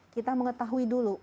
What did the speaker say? kita mengetahui dulu